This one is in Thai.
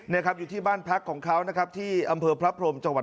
นี่ครับอยู่ที่บ้านพักของเขานะครับที่อำเภอพระพรมจังหวัด